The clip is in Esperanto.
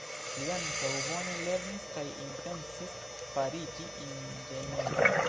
Li ankaŭ bone lernis kaj intencis fariĝi inĝeniero.